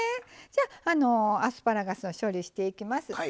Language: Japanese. じゃアスパラガスを処理していきます。